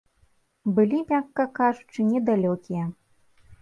Былі, мякка кажучы, недалёкія.